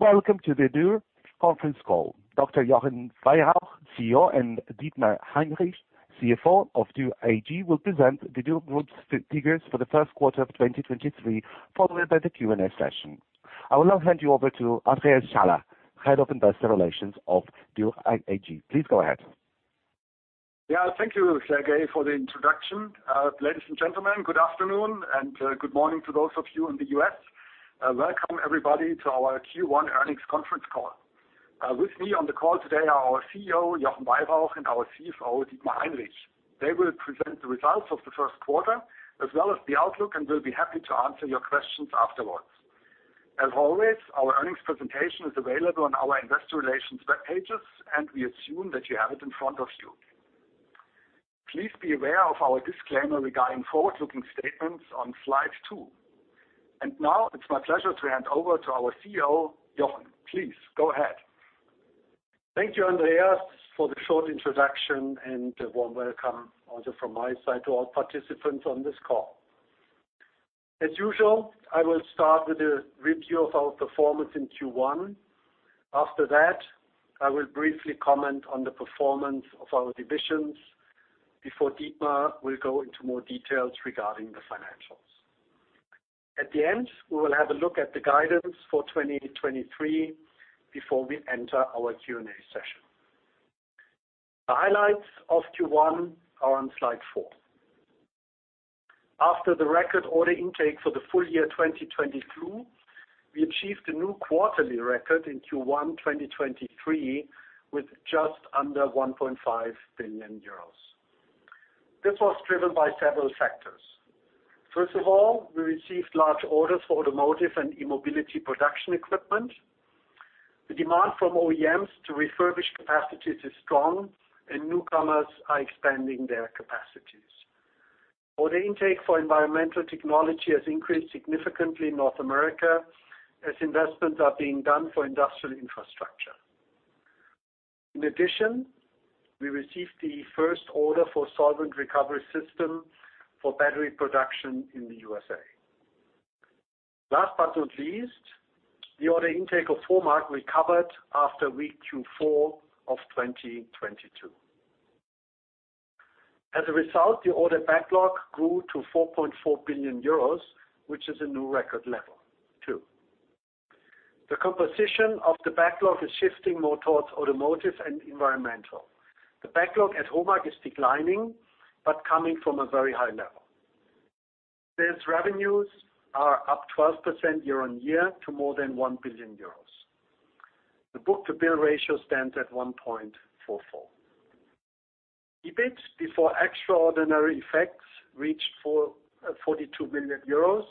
Welcome to the Dürr conference call. Dr. Jochen Weyrauch, CEO, and Dietmar Heinrich, CFO of Dürr AG, will present the Dürr Group's figures for the first quarter of 2023, followed by the Q&A session. I will now hand you over to Andreas Schaller, Head of Investor Relations of Dürr AG. Please go ahead. Yeah. Thank you, Sergey, for the introduction. Ladies and gentlemen, good afternoon, and good morning to those of you in the U.S. Welcome everybody to our Q1 earnings conference call. With me on the call today are our CEO, Jochen Weyrauch, and our CFO, Dietmar Heinrich. They will present the results of the first quarter as well as the outlook, and will be happy to answer your questions afterwards. As always, our earnings presentation is available on our investor relations web pages, and we assume that you have it in front of you. Please be aware of our disclaimer regarding forward-looking statements on slide two. Now it's my pleasure to hand over to our CEO, Jochen. Please, go ahead. Thank you, Andreas, for the short introduction, and a warm welcome also from my side to all participants on this call. As usual, I will start with a review of our performance in Q1. After that, I will briefly comment on the performance of our divisions before Dietmar will go into more details regarding the financials. At the end, we will have a look at the guidance for 2023 before we enter our Q&A session. The highlights of Q1 are on slide four. After the record order intake for the full year 2022, we achieved a new quarterly record in Q1, 2023, with just under 1.5 billion euros. This was driven by several factors. First of all, we received large orders for automotive and e-mobility production equipment. The demand from OEMs to refurbish capacities is strong and newcomers are expanding their capacities. Order intake for environmental technology has increased significantly in North America as investments are being done for industrial infrastructure. In addition, we received the first order for solvent recovery system for battery production in the USA. Last but not least, the order intake of HOMAG recovered after weak Q4 of 2022. As a result, the order backlog grew to 4.4 billion euros, which is a new record level, too. The composition of the backlog is shifting more towards automotive and environmental. The backlog at HOMAG is declining, but coming from a very high level. Sales revenues are up 12% year-on-year to more than 1 billion euros. The book-to-bill ratio stands at 1.44. EBIT before extraordinary effects reached for 42 million euros,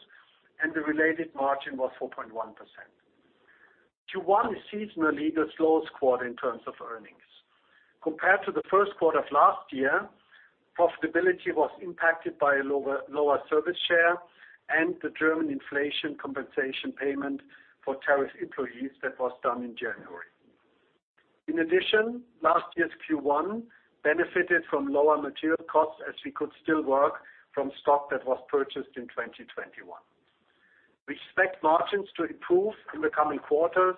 and the related margin was 4.1%. Q1 is seasonally the slowest quarter in terms of earnings. Compared to the first quarter of last year, profitability was impacted by a lower service share and the German inflation compensation payment for tariff employees that was done in January. In addition, last year's Q1 benefited from lower material costs, as we could still work from stock that was purchased in 2021. We expect margins to improve in the coming quarters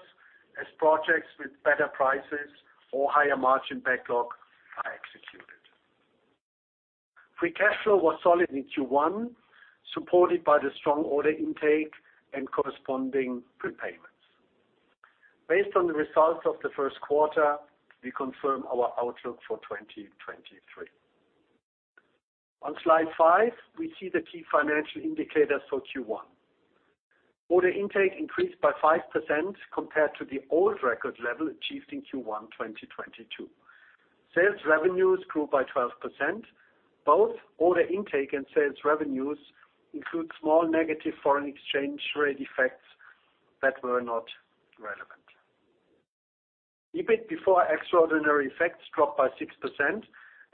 as projects with better prices or higher-margin backlog are executed. Free cash flow was solid in Q1, supported by the strong order intake and corresponding prepayments. Based on the results of the first quarter, we confirm our outlook for 2023. On slide five, we see the key financial indicators for Q1. Order intake increased by 5% compared to the old record level achieved in Q1 2022. Sales revenues grew by 12%, both order intake and sales revenues include small negative foreign exchange rate effects that were not relevant. EBIT before extraordinary effects dropped by 6%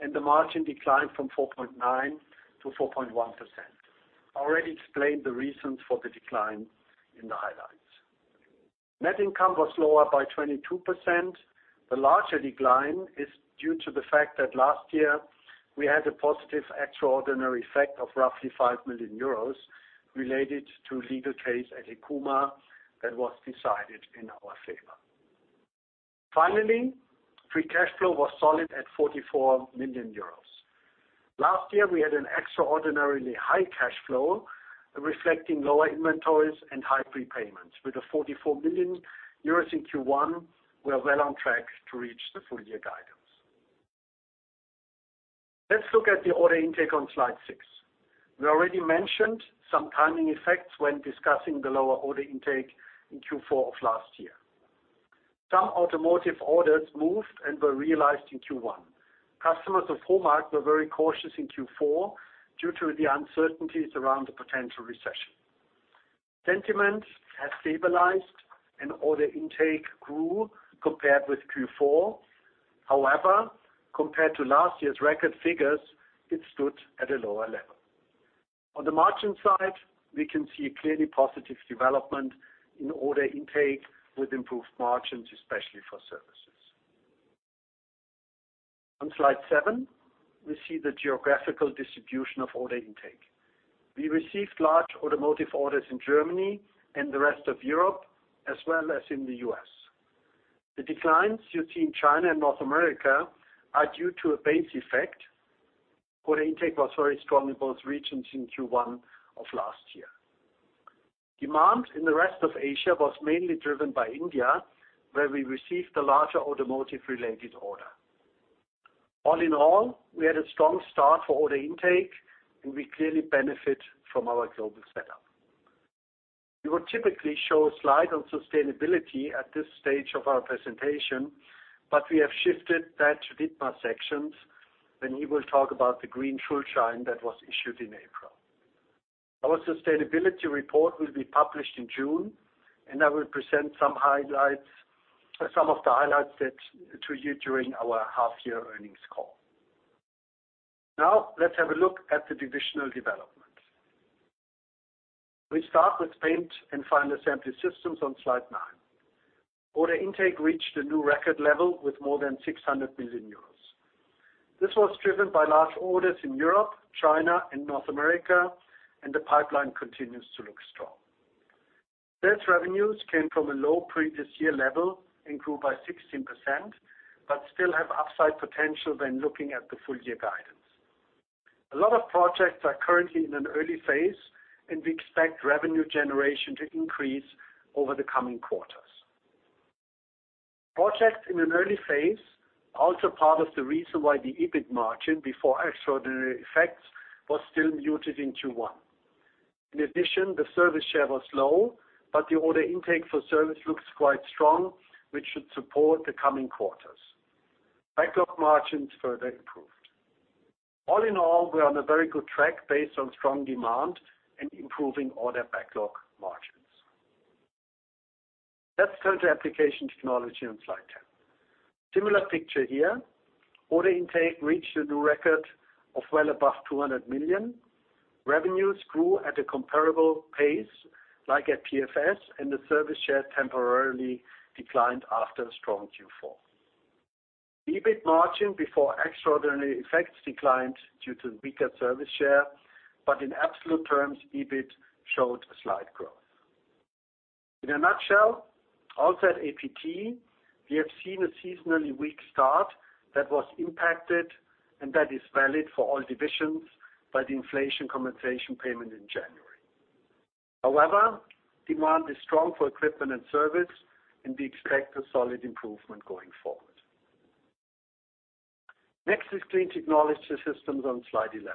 and the margin declined from 4.9%-4.1%. I already explained the reasons for the decline in the highlights. Net income was lower by 22%. The larger decline is due to the fact that last year we had a positive extraordinary effect of roughly 5 million euros related to legal case at Hekuma that was decided in our favor. Finally, free cash flow was solid at 44 million euros. Last year, we had an extraordinarily high cash flow reflecting lower inventories and high prepayments. With 44 million euros in Q1, we are well on track to reach the full year guidance. Let's look at the order intake on slide six. We already mentioned some timing effects when discussing the lower order intake in Q4 of last year. Some automotive orders moved and were realized in Q1. Customers of Homag were very cautious in Q4 due to the uncertainties around the potential recession. Sentiments have stabilized, order intake grew compared with Q4. However, compared to last year's record figures, it stood at a lower level. On the margin side, we can see a clearly positive development in order intake with improved margins, especially for services. On slide seven, we see the geographical distribution of order intake. We received large automotive orders in Germany and the rest of Europe, as well as in the U.S. The declines you see in China and North America are due to a base effect. Order intake was very strong in both regions in Q1 of last year. Demand in the rest of Asia was mainly driven by India, where we received a larger automotive-related order. All in all, we had a strong start for order intake, and we clearly benefit from our global setup. We would typically show a slide on sustainability at this stage of our presentation, but we have shifted that to Dietmar's sections when he will talk about the Green Schuldschein that was issued in April. Our sustainability report will be published in June, and I will present some of the highlights that to you during our half-year earnings call. Let's have a look at the divisional development. We start with Paint and Final Assembly Systems on slide nine. Order intake reached a new record level with more than 600 million euros. This was driven by large orders in Europe, China, and North America. The pipeline continues to look strong. Sales revenues came from a low previous year level and grew by 16%, still have upside potential when looking at the full-year guidance. A lot of projects are currently in an early phase. We expect revenue generation to increase over the coming quarters. Projects in an early phase are also part of the reason why the EBIT margin before extraordinary effects was still muted in Q1. In addition, the service share was low. The order intake for service looks quite strong, which should support the coming quarters. Backlog margins further improved. All in all, we are on a very good track based on strong demand and improving order backlog margins. Let's turn to Application Technology on slide 10. Similar picture here. Order intake reached a new record of well above 200 million. Revenues grew at a comparable pace like at PFS, and the service share temporarily declined after a strong Q4. EBIT margin before extraordinary effects declined due to weaker service share, but in absolute terms, EBIT showed a slight growth. In a nutshell, also at APT, we have seen a seasonally weak start that was impacted, and that is valid for all divisions by the inflation compensation payment in January. However, demand is strong for equipment and service, and we expect a solid improvement going forward. Next is Clean Technology Systems on slide 11.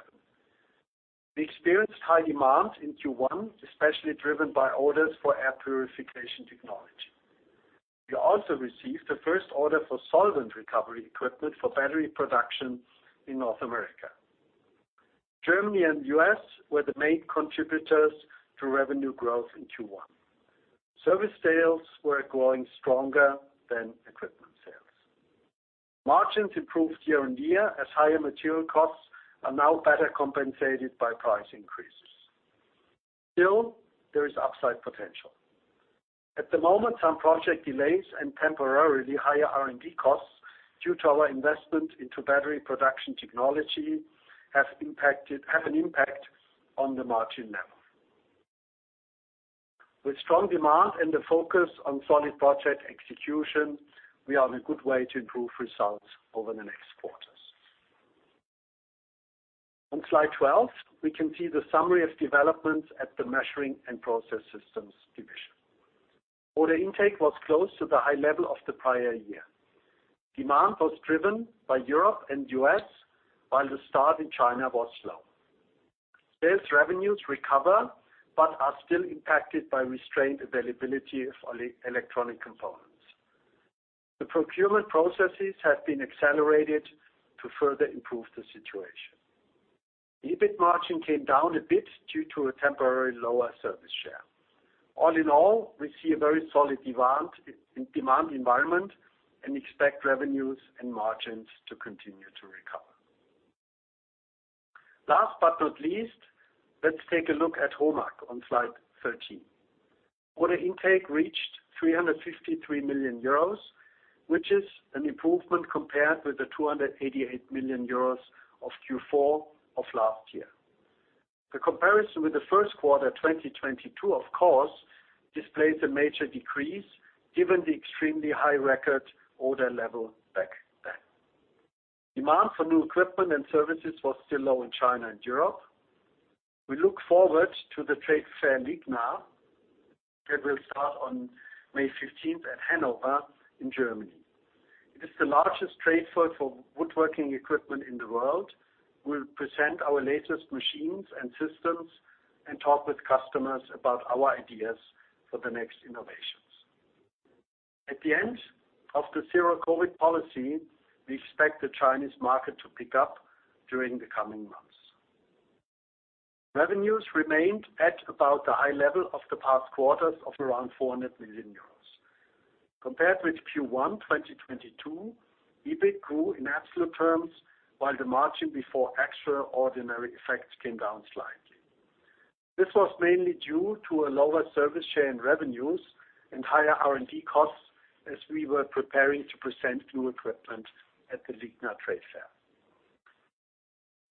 We experienced high demand in Q1, especially driven by orders for air purification technology. We also received the first order for solvent recovery equipment for battery production in North America. Germany and U.S. were the main contributors to revenue growth in Q1. Service sales were growing stronger than equipment sales. Margins improved year-on-year as higher material costs are now better compensated by price increases. Still, there is upside potential. At the moment, some project delays and temporarily higher R&D costs due to our investment into battery production technology have an impact on the margin level. With strong demand and the focus on solid project execution, we are on a good way to improve results over the next quarters. On slide 12, we can see the summary of developments at the Measuring and Process Systems division. Order intake was close to the high level of the prior year. Demand was driven by Europe and U.S., while the start in China was slow. Sales revenues recover, but are still impacted by restrained availability of electronic components. The procurement processes have been accelerated to further improve the situation. EBIT margin came down a bit due to a temporary lower service share. All in all, we see a very solid demand, de-demand environment and expect revenues and margins to continue to recover. Last but not least, let's take a look at HOMAG on slide 13. Order intake reached 353 million euros, which is an improvement compared with the 288 million euros of Q4 of last year. The comparison with the first quarter 2022, of course, displays a major decrease given the extremely high record order level back then. Demand for new equipment and services was still low in China and Europe. We look forward to the trade fair LIGNA that will start on May 15th at Hanover in Germany. It is the largest trade fair for woodworking equipment in the world. We'll present our latest machines and systems and talk with customers about our ideas for the next innovations. At the end of the zero-COVID policy, we expect the Chinese market to pick up during the coming months. Revenues remained at about the high level of the past quarters of around 400 million euros. Compared with Q1 2022, EBIT grew in absolute terms, while the margin before extraordinary effects came down slightly. This was mainly due to a lower service share in revenues and higher R&D costs as we were preparing to present new equipment at the LIGNA trade fair.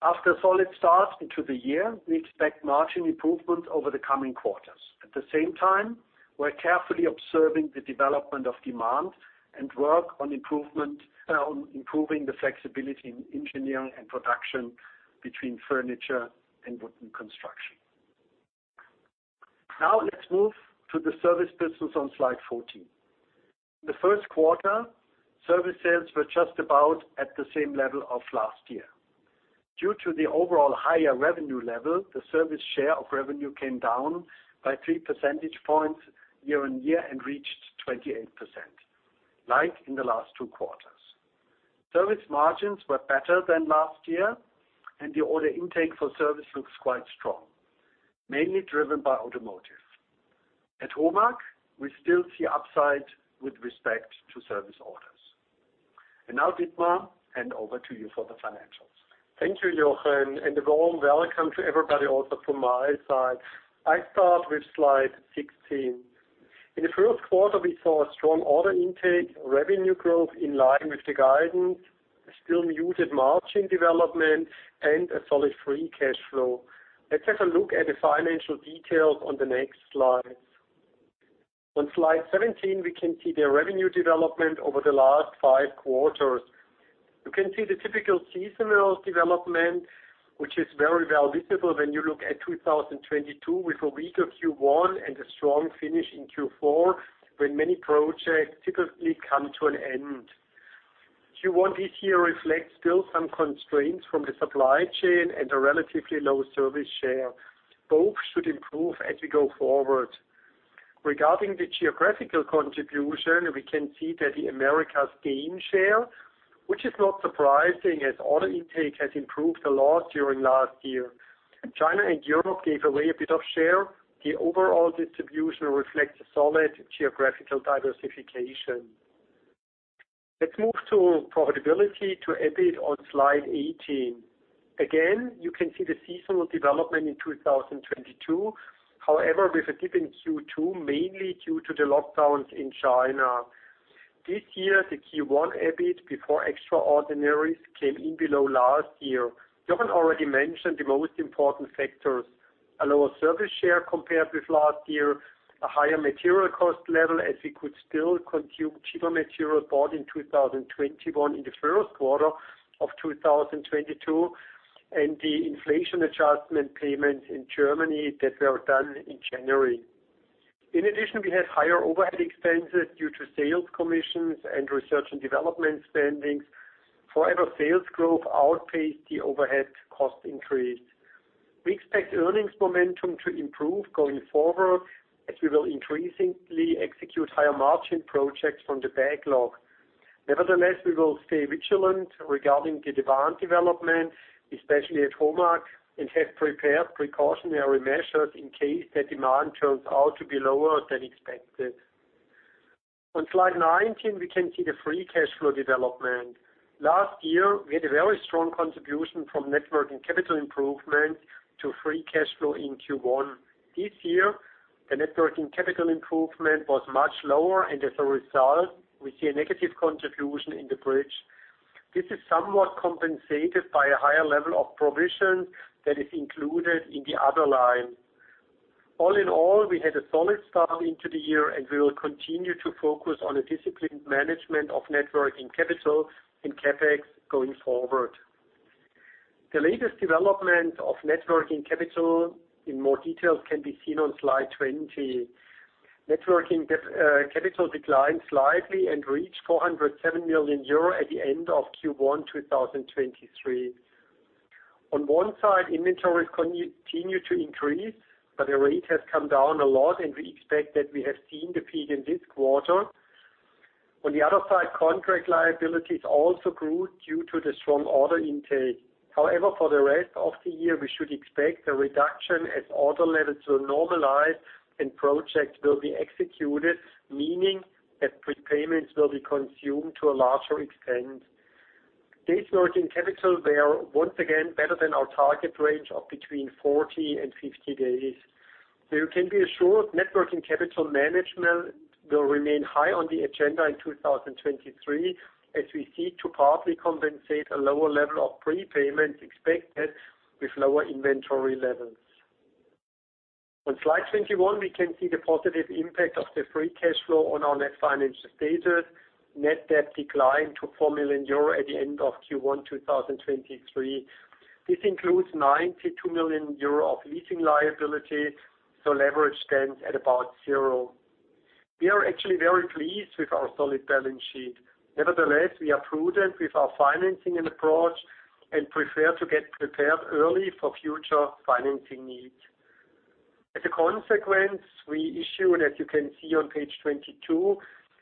After a solid start into the year, we expect margin improvement over the coming quarters. At the same time, we're carefully observing the development of demand and work on improving the flexibility in engineering and production between furniture and wooden construction. Now let's move to the service business on slide 14. The first quarter, service sales were just about at the same level of last year. Due to the overall higher revenue level, the service share of revenue came down by 3% points year-on-year and reached 28%, like in the last two quarters. Service margins were better than last year, the order intake for service looks quite strong, mainly driven by automotive. At HOMAG, we still see upside with respect to service orders. Now, Dietmar, hand over to you for the financials. Thank you, Jochen, a warm welcome to everybody also from my side. I start with slide 16. In the first quarter, we saw a strong order intake, revenue growth in line with the guidance, a still muted margin development, and a solid free cash flow. Let's have a look at the financial details on the next slide. On slide 17, we can see the revenue development over the last five quarters. You can see the typical seasonal development, which is very well visible when you look at 2022 with a weaker Q1 and a strong finish in Q4, when many projects typically come to an end. Q1 this year reflects still some constraints from the supply chain and a relatively low service share. Both should improve as we go forward. Regarding the geographical contribution, we can see that the Americas gained share, which is not surprising as order intake has improved a lot during last year. China and Europe gave away a bit of share. The overall distribution reflects a solid geographical diversification. Let's move to profitability to EBIT on slide 18. You can see the seasonal development in 2022, however, with a dip in Q2, mainly due to the lockdowns in China. This year, the Q1 EBIT before extraordinaries came in below last year. Jochen already mentioned the most important factors, a lower service share compared with last year, a higher material cost level as we could still consume cheaper material bought in 2021 in the first quarter of 2022, and the inflation adjustment payments in Germany that were done in January. We had higher overhead expenses due to sales commissions and research and development spendings. Sales growth outpaced the overhead cost increase. We expect earnings momentum to improve going forward as we will increasingly execute higher-margin projects from the backlog. Nevertheless, we will stay vigilant regarding the demand development, especially at HOMAG, and have prepared precautionary measures in case the demand turns out to be lower than expected. On slide 19, we can see the free cash flow development. Last year, we had a very strong contribution from net working capital improvement to free cash flow in Q1. This year, the net working capital improvement was much lower, and as a result, we see a negative contribution in the bridge. This is somewhat compensated by a higher level of provision that is included in the other line. All in all, we had a solid start into the year, and we will continue to focus on a disciplined management of net working capital and CapEx going forward. The latest development of net working capital in more details can be seen on slide 20. Net working capital declined slightly and reached 407 million euro at the end of Q1 2023. On one side, inventories continue to increase, but the rate has come down a lot, and we expect that we have seen the peak in this quarter. On the other side, contract liabilities also grew due to the strong order intake. However, for the rest of the year, we should expect a reduction as order levels will normalize and projects will be executed, meaning that prepayments will be consumed to a larger extent. Days working capital, they are once again better than our target range of between 40 and 50 days. You can be assured net working capital management will remain high on the agenda in 2023 as we seek to partly compensate a lower level of prepayments expected with lower inventory levels. On slide 21, we can see the positive impact of the free cash flow on our net financial status. Net debt declined to 4 million euro at the end of Q1 2023. This includes 92 million euro of leasing liability, so leverage stands at about zero. We are actually very pleased with our solid balance sheet. Nevertheless, we are prudent with our financing approach and prefer to get prepared early for future financing needs. As a consequence, we issued, as you can see on page 22,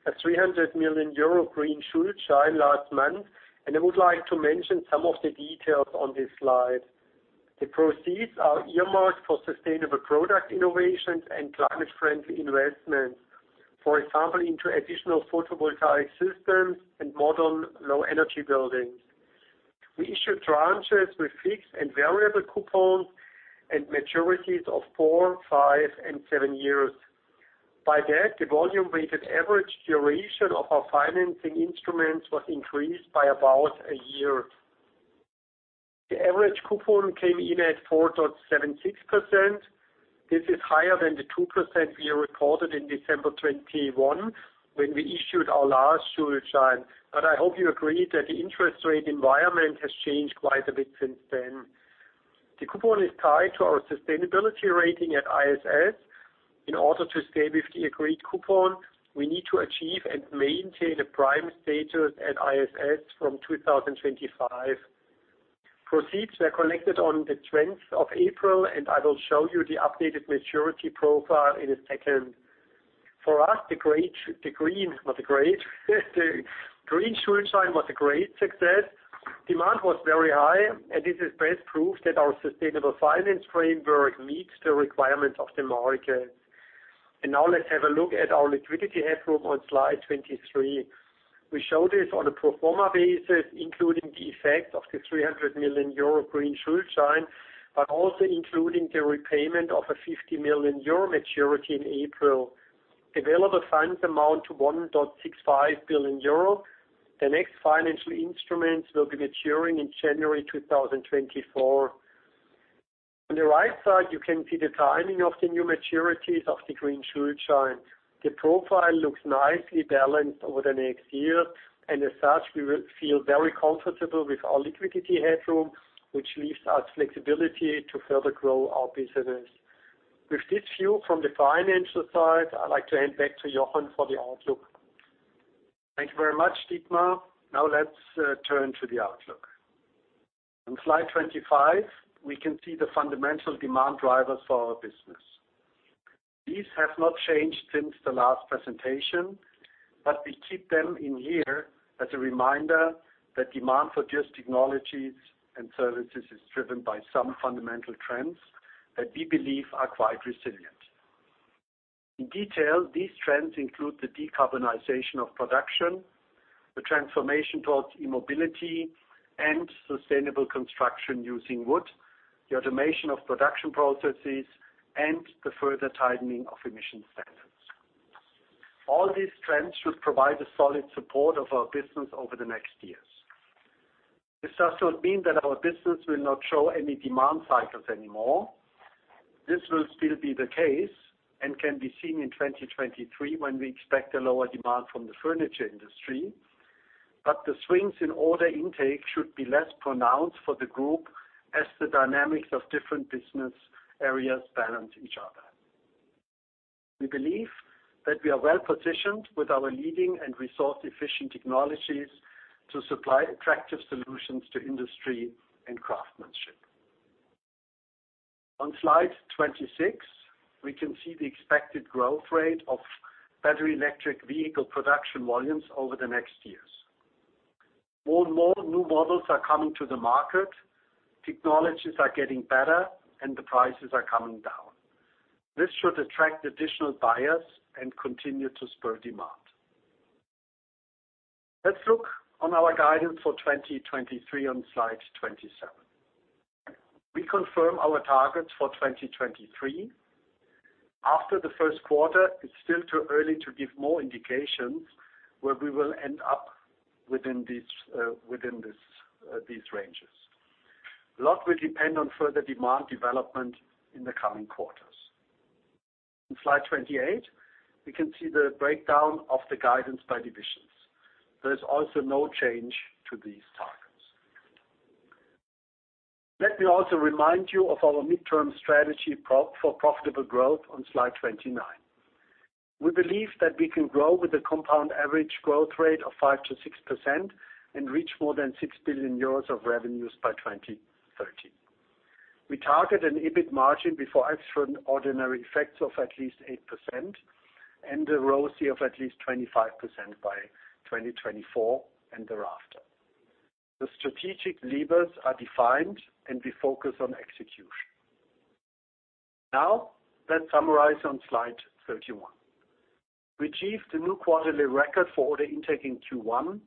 a 300 million euro Green Schuldschein last month, and I would like to mention some of the details on this slide. The proceeds are earmarked for sustainable product innovations and climate-friendly investments, for example, into additional photovoltaic systems and modern low-energy buildings. We issued tranches with fixed and variable coupons and maturities of four, five and seven years. By that, the volume-weighted average duration of our financing instruments was increased by about a year. The average coupon came in at 4.76%. This is higher than the 2% we reported in December 2021 when we issued our last Schuldschein. I hope you agree that the interest rate environment has changed quite a bit since then. The coupon is tied to our sustainability rating at ISS. In order to stay with the agreed coupon, we need to achieve and maintain a prime status at ISS from 2025. Proceeds were collected on the 20th of April, I will show you the updated maturity profile in a second. For us, the Green, not the great. The Green Schuldschein was a great success. Demand was very high. This is best proof that our sustainable finance framework meets the requirements of the market. Now let's have a look at our liquidity headroom on slide 23. We show this on a pro forma basis, including the effect of the 300 million euro Green Schuldschein, but also including the repayment of a 50 million euro maturity in April. Available funds amount to 1.65 billion euro. The next financial instruments will be maturing in January 2024. On the right side, you can see the timing of the new maturities of the Green Schuldschein. The profile looks nicely balanced over the next year, and as such, we will feel very comfortable with our liquidity headroom, which leaves us flexibility to further grow our business. With this view from the financial side, I'd like to hand back to Jochen for the outlook. Thank you very much, Dietmar. Let's turn to the outlook. On slide 25, we can see the fundamental demand drivers for our business. These have not changed since the last presentation, we keep them in here as a reminder that demand for just technologies and services is driven by some fundamental trends that we believe are quite resilient. In detail, these trends include the decarbonization of production, the transformation towards e-mobility and sustainable construction using wood, the automation of production processes, and the further tightening of emission standards. All these trends should provide a solid support of our business over the next years. This does not mean that our business will not show any demand cycles anymore. This will still be the case and can be seen in 2023 when we expect a lower demand from the furniture industry. The swings in order intake should be less pronounced for the group as the dynamics of different business areas balance each other. We believe that we are well-positioned with our leading and resource-efficient technologies to supply attractive solutions to industry and craftsmanship. On slide 26, we can see the expected growth rate of battery electric vehicle production volumes over the next years. More and more new models are coming to the market, technologies are getting better, and the prices are coming down. This should attract additional buyers and continue to spur demand. Let's look on our guidance for 2023 on slide 27. We confirm our targets for 2023. After the first quarter, it's still too early to give more indications where we will end up within this, within this, these ranges. A lot will depend on further demand development in the coming quarters. On slide 28, we can see the breakdown of the guidance by divisions. There is also no change to these targets. Let me also remind you of our midterm strategy pro-for profitable growth on slide 29. We believe that we can grow with a compound annual growth rate of 5%-6% and reach more than 6 billion euros of revenues by 2030. We target an EBIT margin before extraordinary effects of at least 8% and a ROCE of at least 25% by 2024 and thereafter. The strategic levers are defined, and we focus on execution. Now, let's summarize on slide 31. We achieved a new quarterly record for order intake in Q1,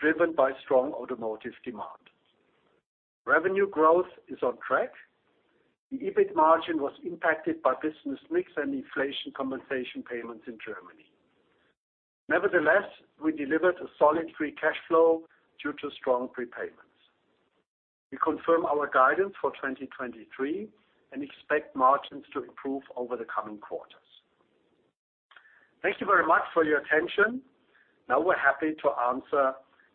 driven by strong automotive demand. Revenue growth is on track. The EBIT margin was impacted by business mix and inflation compensation payments in Germany. Nevertheless, we delivered a solid free cash flow due to strong prepayments. We confirm our guidance for 2023 and expect margins to improve over the coming quarters. Thank you very much for your attention. Now we're happy to answer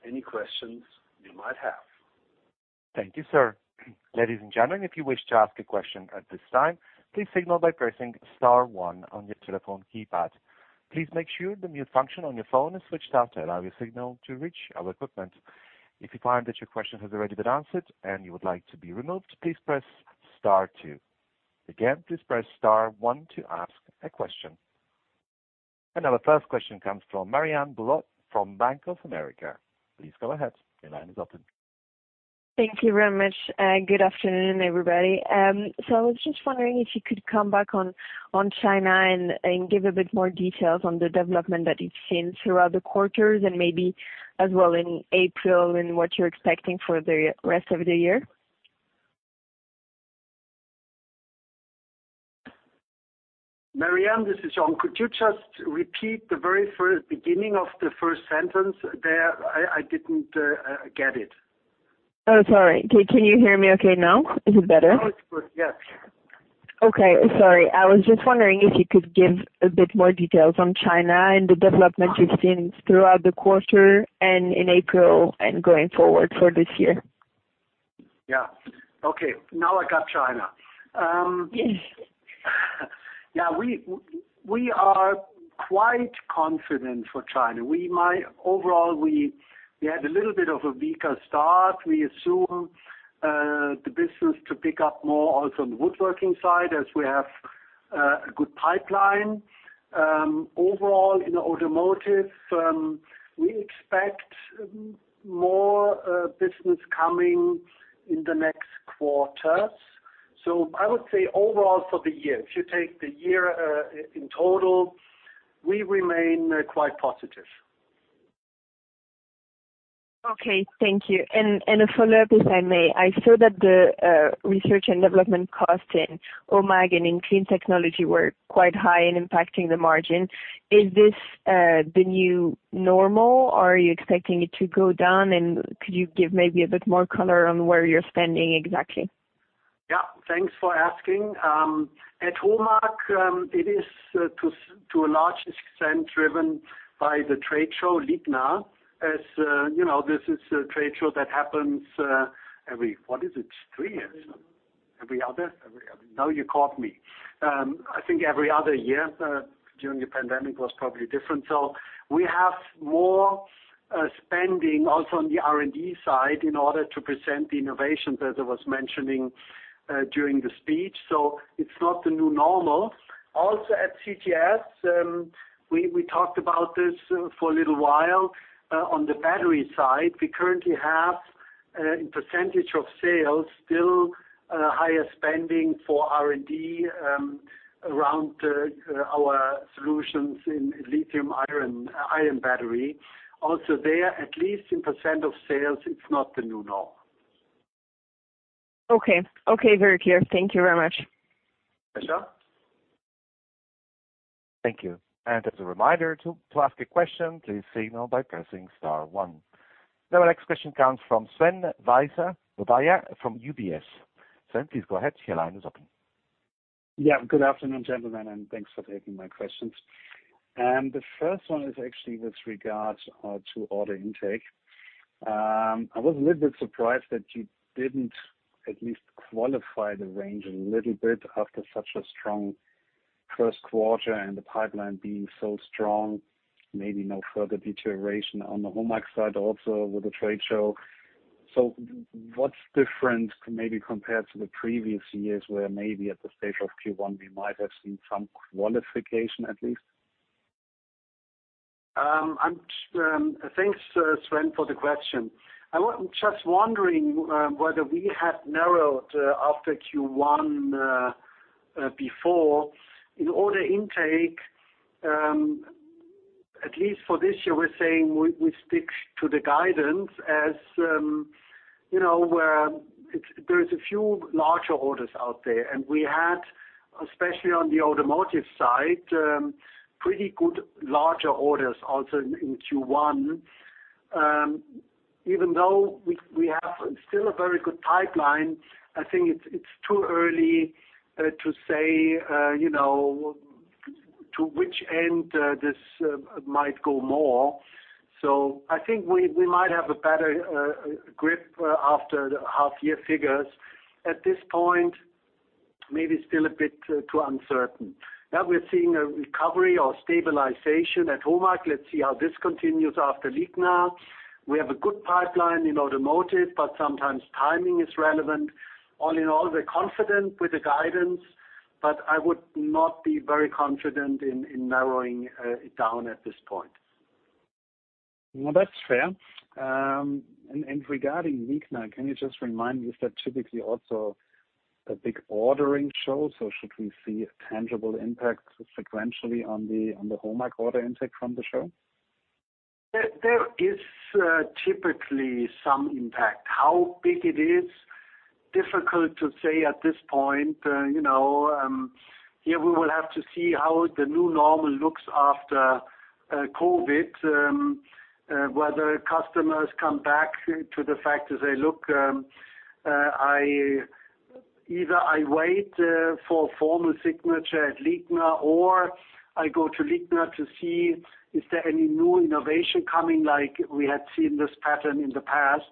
any questions you might have. Thank you, sir. Ladies and gentlemen, if you wish to ask a question at this time, please signal by pressing star one on your telephone keypad. Please make sure the mute function on your phone is switched off to allow your signal to reach our equipment. If you find that your question has already been answered and you would like to be removed, please press star two. Again, please press star one to ask a question. Now the first question comes from Marianne Bulot from Bank of America. Please go ahead. Your line is open. Thank you very much. Good afternoon, everybody. I was just wondering if you could come back on China and give a bit more details on the development that you've seen throughout the quarters and maybe as well in April and what you're expecting for the rest of the year. Marianne, this is Jochen. Could you just repeat the very first beginning of the first sentence there? I didn't get it. Oh, sorry. Can you hear me okay now? Is it better? Now it's good. Yes. Okay. Sorry. I was just wondering if you could give a bit more details on China and the development you've seen throughout the quarter and in April and going forward for this year. Yeah. Okay. Now I got China. Yes. We are quite confident for China. Overall, we had a little bit of a weaker start. We assume the business to pick up more also on the woodworking side as we have a good pipeline. Overall in automotive, we expect more business coming in the next quarters. I would say overall for the year, if you take the year in total, we remain quite positive. Okay. Thank you. A follow-up, if I may. I saw that the research and development cost in HOMAG and in Clean Technology were quite high in impacting the margin. Is this the new normal, or are you expecting it to go down? Could you give maybe a bit more color on where you're spending exactly? Yeah. Thanks for asking. At HOMAG, it is to a large extent driven by the trade show, LIGNA. You know, this is a trade show that happens every. What is it? Three years. Every other? Every other. Now you caught me. I think every other year, during the pandemic was probably different. We have more spending also on the R&D side in order to present the innovations as I was mentioning during the speech. It's not the new normal. Also at CTS, we talked about this for a little while. On the battery side, we currently have in percentage of sales, still higher spending for R&D around our solutions in lithium-ion battery. Also there, at least in percent of sales, it's not the new norm. Okay. Okay, very clear. Thank you very much. Sure. Thank you. As a reminder, to ask a question, please signal by pressing star one. Our next question comes from Sven Weier from UBS. Sven, please go ahead. Your line is open. Good afternoon, gentlemen. Thanks for taking my questions. The first one is actually with regards to order intake. I was a little bit surprised that you didn't at least qualify the range a little bit after such a strong first quarter and the pipeline being so strong, maybe no further deterioration on the HOMAG side also with the trade show. What's different maybe compared to the previous years, where maybe at the stage of Q1, we might have seen some qualification at least? Thanks, Sven, for the question. I was just wondering whether we had narrowed after Q1 before. In order intake, at least for this year, we're saying we stick to the guidance as, you know, there is a few larger orders out there. We had, especially on the automotive side, pretty good larger orders also in Q1. Even though we have still a very good pipeline, I think it's too early to say, you know, to which end this might go more. I think we might have a better grip after the half year figures. At this point, maybe still a bit too uncertain. We're seeing a recovery or stabilization at HOMAG. Let's see how this continues after LIGNA. We have a good pipeline in automotive. Sometimes timing is relevant. All in all, we're confident with the guidance. I would not be very confident in narrowing it down at this point. No, that's fair. Regarding LIGNA, can you just remind me, is that typically also a big ordering show? Should we see a tangible impact sequentially on the HOMAG order intake from the show? There is typically some impact. How big it is, difficult to say at this point. You know, here we will have to see how the new normal looks after COVID, whether customers come back to the fact that they look, either I wait for a formal signature at LIGNA or I go to LIGNA to see is there any new innovation coming, like we had seen this pattern in the past.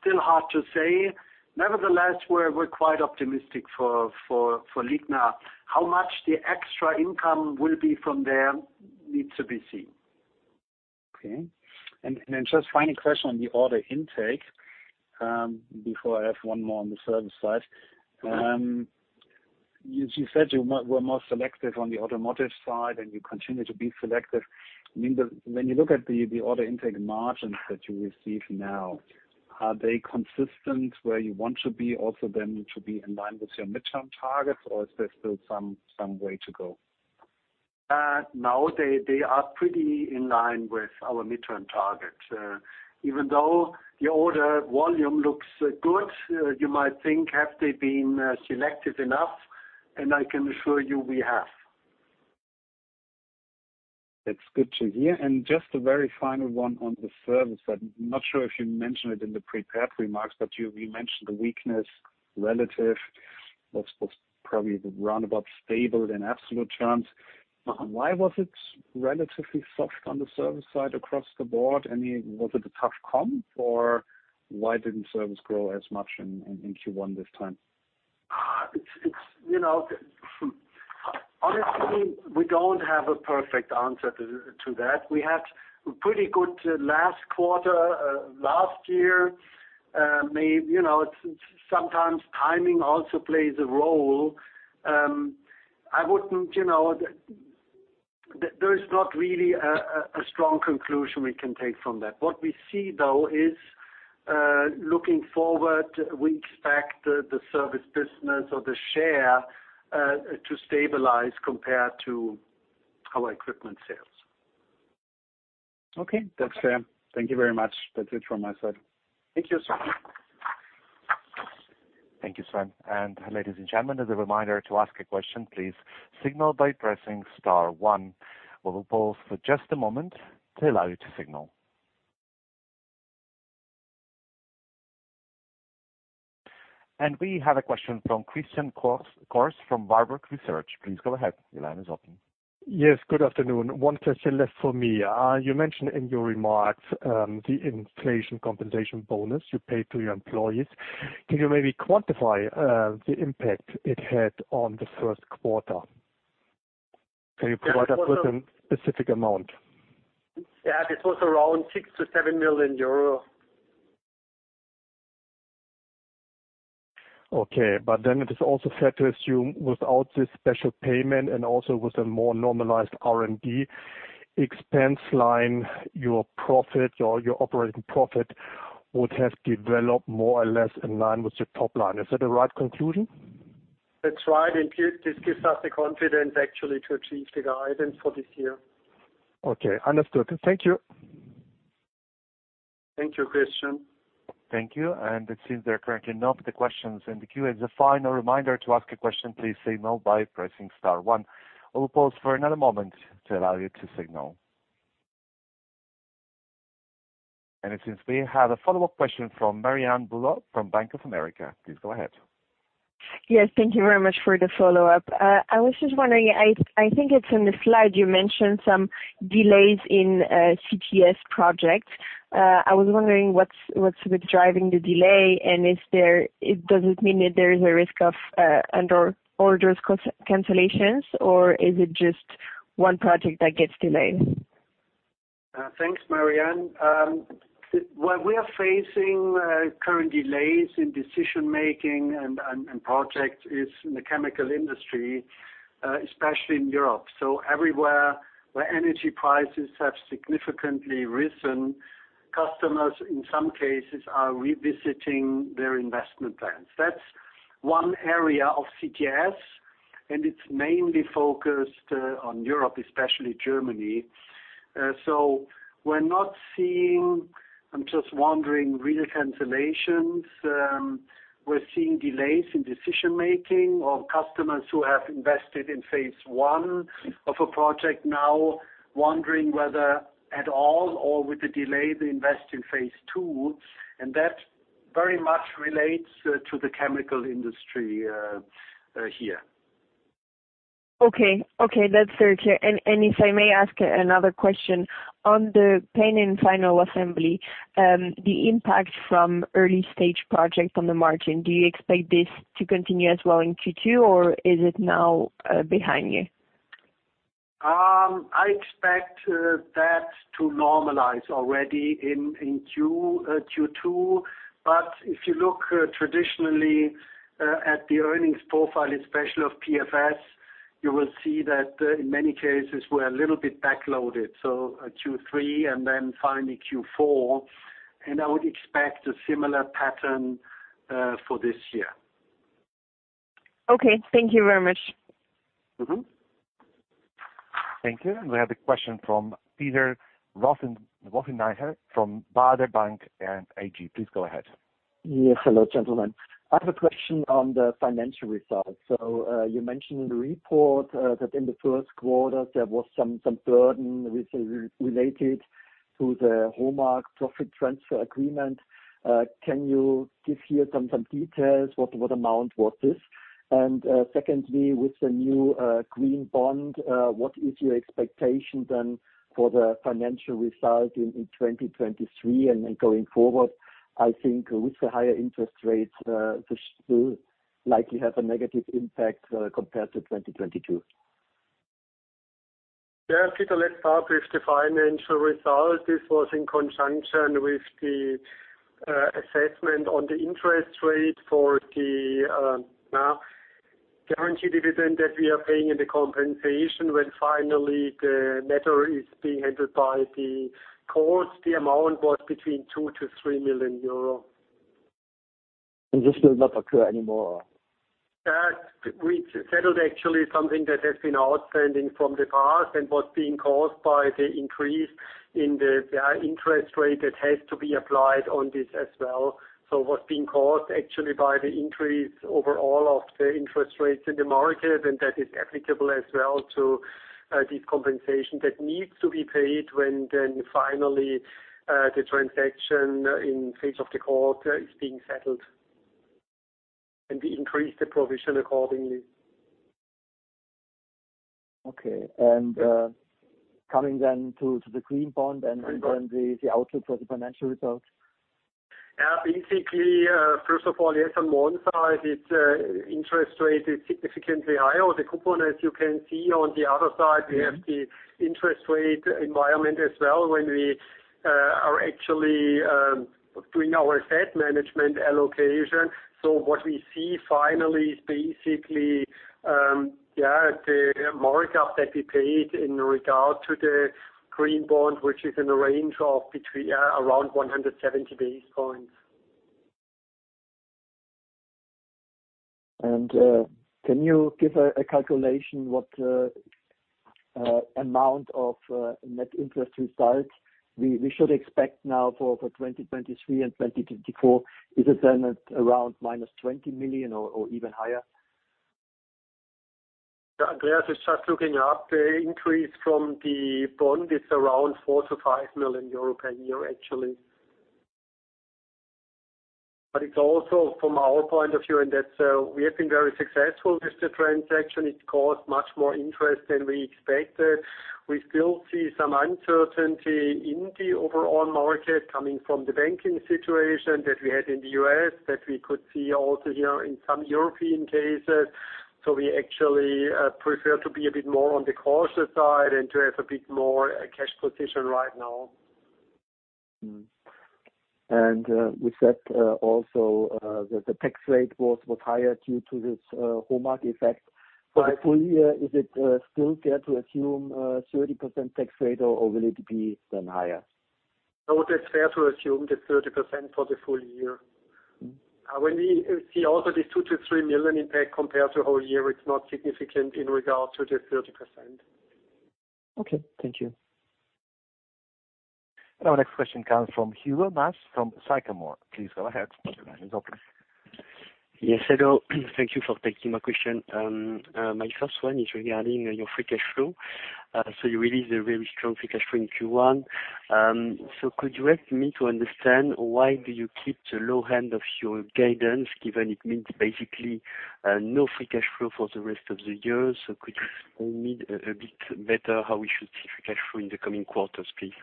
Still hard to say. Nevertheless, we're quite optimistic for LIGNA. How much the extra income will be from there needs to be seen. Okay. Just final question on the order intake, before I have one more on the service side. You said you were more selective on the automotive side, and you continue to be selective. I mean, when you look at the order intake margins that you receive now, are they consistent where you want to be also then to be in line with your midterm targets, or is there still some way to go? Now they are pretty in line with our midterm target. Even though the order volume looks good, you might think have they been selected enough. I can assure you we have. That's good to hear. Just a very final one on the service side. I'm not sure if you mentioned it in the prepared remarks, but you mentioned the weakness relative, was probably the roundabout stable in absolute terms. Why was it relatively soft on the service side across the board? I mean, was it a tough comm? Why didn't service grow as much in Q1 this time? It's, you know. Honestly, we don't have a perfect answer to that. We had a pretty good last quarter last year. You know, sometimes timing also plays a role. I wouldn't, you know, there is not really a strong conclusion we can take from that. What we see, though, is, looking forward, we expect the service business or the share to stabilize compared to our equipment sales. Okay. That's fair. Thank you very much. That's it from my side. Thank you, Sven. Thank you, Sven. Ladies and gentlemen, as a reminder, to ask a question, please signal by pressing star one. We will pause for just a moment to allow you to signal. We have a question from Christian Cohrs, Cohrs from Warburg Research. Please go ahead. Your line is open. Good afternoon. One question left for me. You mentioned in your remarks, the inflation compensation bonus you paid to your employees. Can you maybe quantify the impact it had on the first quarter? Can you provide us with a specific amount? Yeah. This was around 6 million-7 million euros. It is also fair to assume without this special payment and also with a more normalized R&D expense line, your profit or your operating profit would have developed more or less in line with your top line. Is that a right conclusion? That's right. This gives us the confidence actually to achieve the guidance for this year. Okay. Understood. Thank you. Thank you, Christian. Thank you. It seems there are currently no other questions in the queue. As a final reminder, to ask a question, please signal by pressing star one. I will pause for another moment to allow you to signal. It seems we have a follow-up question from Marianne Bulot from Bank of America. Please go ahead. Yes. Thank you very much for the follow-up. I was just wondering, I think it's in the slide you mentioned some delays in CTS projects. I was wondering what's with driving the delay, and does it mean that there is a risk of under orders cancellations, or is it just one project that gets delayed? Thanks, Marianne. Where we are facing current delays in decision-making and projects is in the chemical industry, especially in Europe. Everywhere where energy prices have significantly risen, customers in some cases are revisiting their investment plans. That's one area of CTS, and it's mainly focused on Europe, especially Germany. We're not seeing, I'm just wondering, real cancellations. We're seeing delays in decision-making of customers who have invested in phase one of a project now wondering whether at all or with the delay they invest in phase two, and that very much relates to the chemical industry here. Okay. Okay, that's very clear. If I may ask another question on the Paint and Final Assembly, the impact from early-stage project on the margin, do you expect this to continue as well in Q2, or is it now behind you? I expect that to normalize already in Q2. If you look traditionally at the earnings profile, especially of PFS, you will see that in many cases we're a little bit backloaded, so Q3 and then finally Q4, and I would expect a similar pattern for this year. Okay. Thank you very much. Mm-hmm. Thank you. We have a question from Peter Rothenaicher from Baader Bank AG. Please go ahead. Yes. Hello, gentlemen. I have a question on the financial results. You mentioned in the report that in the first quarter there was some burden related to the HOMAG profit transfer agreement. Can you give here some details, what amount was this? Secondly, with the new green bond, what is your expectation then for the financial result in 2023 and then going forward? I think with the higher interest rates, this will likely have a negative impact compared to 2022. Peter, let's start with the financial result. This was in conjunction with the assessment on the interest rate for the guarantee dividend that we are paying in the compensation when finally the netting is being handled by the courts. The amount was between 2 million-3 million euro. This will not occur anymore? We settled actually something that has been outstanding from the past and was being caused by the increase in the interest rate that has to be applied on this as well. What's being caused actually by the increase overall of the interest rates in the market, and that is applicable as well to this compensation that needs to be paid when then finally, the transaction in phase of the quarter is being settled. We increase the provision accordingly. Okay. coming then to the green bond. Green bond. the outlook for the financial results. Basically, first of all, yes, on one side, it's, interest rate is significantly higher. The coupon, as you can see on the other side. Mm-hmm. We have the interest rate environment as well when we are actually doing our debt management allocation. What we see finally is basically, yeah, the mark-up that we paid in regard to the green bond, which is in the range of between around 170 basis points. Can you give a calculation what amount of net interest results we should expect now for 2023 and 2024? Is it then at around minus 20 million or even higher? Andreas is just looking up. The increase from the bond is around 4 million-5 million euro per year actually. It's also from our point of view in that we have been very successful with the transaction. It caused much more interest than we expected. We still see some uncertainty in the overall market coming from the banking situation that we had in the U.S. that we could see also here in some European cases. We actually prefer to be a bit more on the cautious side and to have a bit more cash position right now. With that, also, the tax rate was higher due to this HOMAG effect. Right. For the full year, is it still fair to assume 30% tax rate, or will it be then higher? No, that's fair to assume the 30% for the full year. Mm. When we see also the 2 million-3 million impact compared to whole year, it's not significant in regard to the 30%. Okay. Thank you. Next question comes from Hugo Mas from Sycomore. Please go ahead. Your line is open. Yes, hello. Thank you for taking my question. My first one is regarding your free cash flow. You released a very strong free cash flow in Q1. Could you help me to understand why do you keep the low end of your guidance, given it means basically no free cash flow for the rest of the year? Could you tell me a bit better how we should see free cash flow in the coming quarters, please?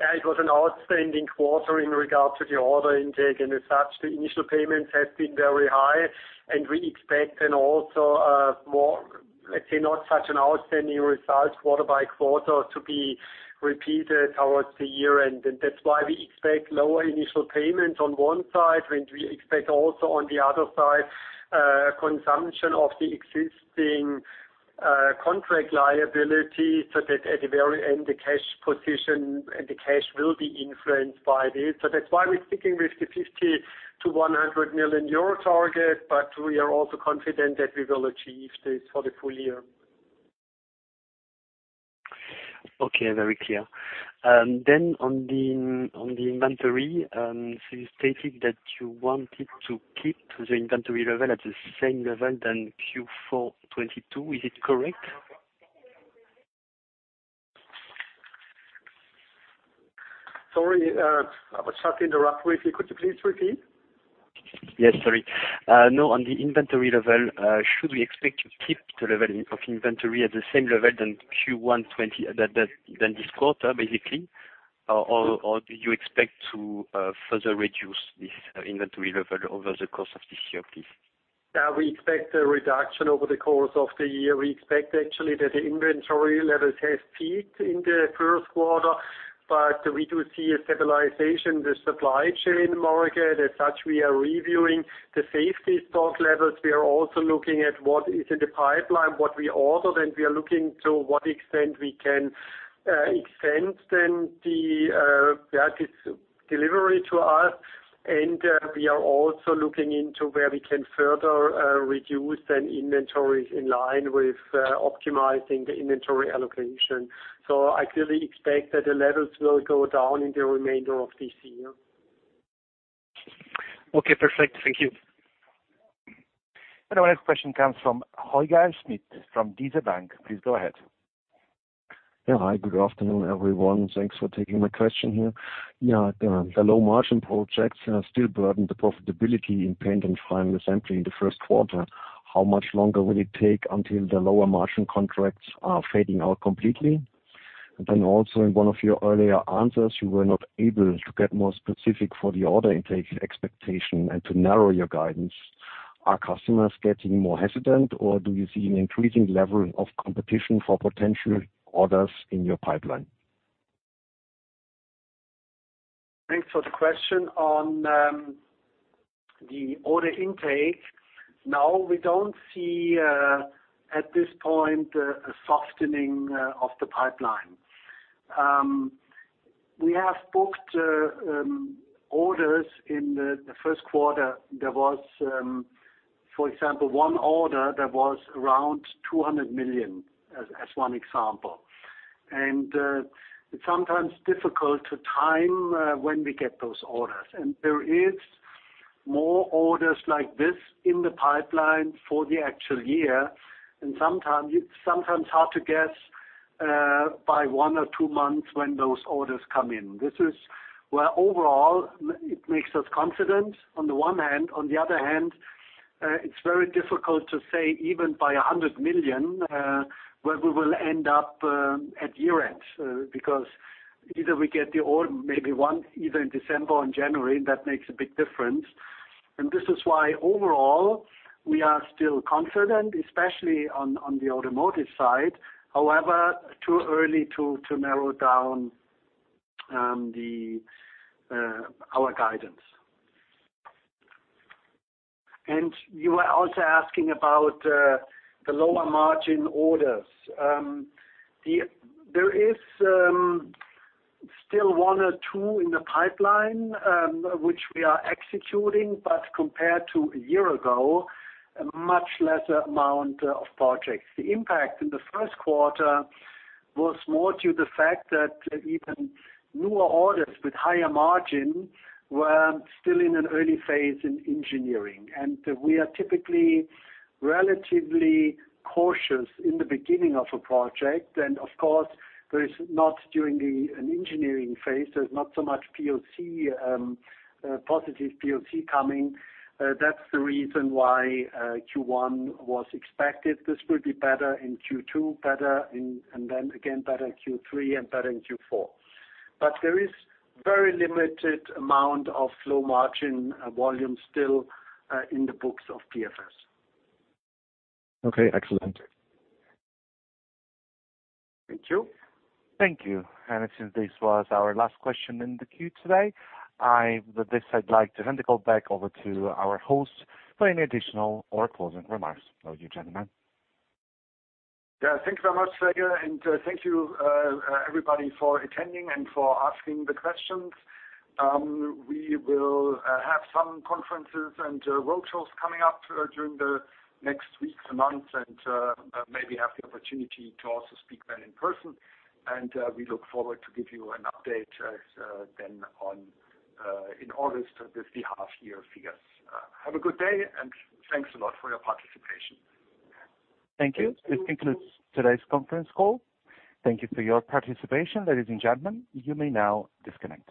Yeah. It was an outstanding quarter in regard to the order intake and as such, the initial payments has been very high. We expect then also, let's say, not such an outstanding result quarter by quarter to be repeated towards the year-end. That's why we expect lower initial payment on one side, and we expect also on the other side, consumption of the existing contract liability such that at the very end, the cash position and the cash will be influenced by this. That's why we're sticking with the 50 million-100 million euro target, but we are also confident that we will achieve this for the full year. Okay. Very clear. On the, on the inventory, you stated that you wanted to keep the inventory level at the same level than Q4 2022. Is it correct? Sorry, I was starting to wrap. Briefly, could you please repeat? Yes, sorry. no, on the inventory level, should we expect you to keep the level of inventory at the same level than Q1 than this quarter, basically? Or do you expect to further reduce this inventory level over the course of this year, please? Yeah. We expect a reduction over the course of the year. We expect actually that the inventory levels have peaked in the first quarter, but we do see a stabilization in the supply chain market. As such, we are reviewing the safety stock levels. We are also looking at what is in the pipeline, what we ordered, and we are looking to what extent we can extend then the, yeah, this delivery to us. We are also looking into where we can further reduce then inventories in line with optimizing the inventory allocation. I clearly expect that the levels will go down in the remainder of this year. Okay. Perfect. Thank you. Our next question comes from Holger Schmidt from DZ Bank AG. Please go ahead. Yeah. Hi. Good afternoon, everyone. Thanks for taking my question here. Yeah. The low margin projects still burden the profitability in Paint and Final Assembly in the first quarter. How much longer will it take until the lower margin contracts are fading out completely? Also in one of your earlier answers, you were not able to get more specific for the order intake expectation and to narrow your guidance. Are customers getting more hesitant, or do you see an increasing level of competition for potential orders in your pipeline? Thanks for the question. On the order intake, no, we don't see at this point a softening of the pipeline. We have booked orders in the first quarter. There was, for example, one order that was around 200 million, as one example. It's sometimes difficult to time when we get those orders. There is more orders like this in the pipeline for the actual year, and it's sometimes hard to guess by one or two months when those orders come in. This is where overall it makes us confident on the one hand, on the other hand, it's very difficult to say even by 100 million where we will end up at year-end. Either we get the order maybe once, either in December or in January, that makes a big difference. This is why overall we are still confident, especially on the automotive side. Too early to narrow down the our guidance. You were also asking about the lower margin orders. There is still one or two in the pipeline, which we are executing, compared to a year ago, a much lesser amount of projects. The impact in the first quarter was more to the fact that even newer orders with higher margin were still in an early phase in engineering. We are typically relatively cautious in the beginning of a project. Of course, there is not during an engineering phase, there's not so much POC positive POC coming. That's the reason why Q1 was expected. This will be better in Q2, better in Q3 and better in Q4. There is very limited amount of low margin volume still in the books of PFS. Okay, excellent. Thank you. Thank you. Since this was our last question in the queue today, with this, I'd like to hand the call back over to our host for any additional or closing remarks from you, gentlemen. Yeah, thank you very much, Sergei, and thank you everybody for attending and for asking the questions. We will have some conferences and road shows coming up during the next weeks and months and maybe have the opportunity to also speak then in person. We look forward to give you an update then in August with the half year figures. Have a good day, and thanks a lot for your participation. Thank you. This concludes today's conference call. Thank you for your participation, ladies and gentlemen. You may now disconnect.